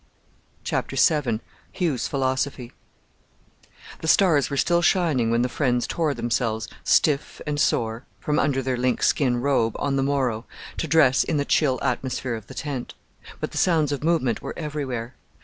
CHAPTER VII HUGH'S PHILOSOPHY The stars were still shining when the friends tore themselves, stiff and sore, from under their lynx skin robe on the morrow to dress in the chill atmosphere of the tent; but the sounds of movement were everywhere.